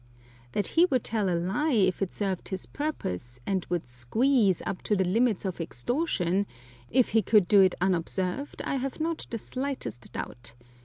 That he would tell a lie if it served his purpose, and would "squeeze" up to the limits of extortion, if he could do it unobserved, I have not the slightest doubt.